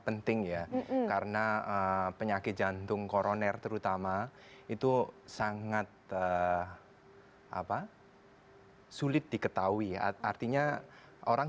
penting ya karena penyakit jantung koroner terutama itu sangat apa sulit diketahui artinya orang